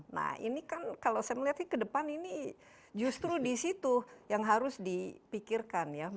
nah ini kan kalau saya melihatnya ke depan ini justru di situ yang harus dipikirkan ya